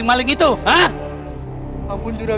aku mengingai anda